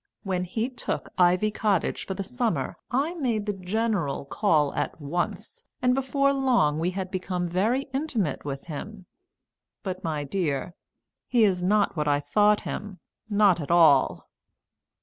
When he took Ivy Cottage for the summer I made the General call at once, and before long we had become very intimate with him; but, my dear, he's not what I thought him not at all!"